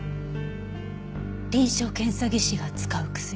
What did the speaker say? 臨床検査技師が使う薬。